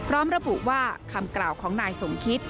ร้อมระบุว่าคำกล่าวของนายสงคริฐ